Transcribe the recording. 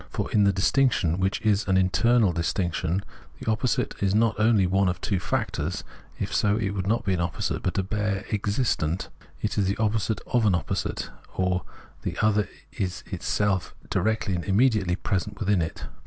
For in the distinction, which is an internal distinction, the opposite is not only one of two factors — if so, it would not be an opposite, but a bare existent — it is the opposite of an opposite, or the other is itself directly and immediately present within it.